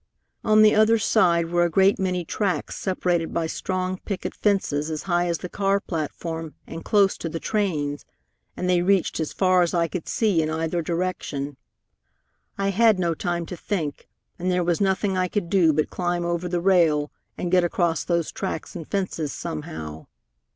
"On the other side were a great many tracks separated by strong picket fences as high as the car platform and close to the trains, and they reached as far as I could see in either direction. I had no time to think, and there was nothing I could do but climb over the rail and get across those tracks and fences somehow.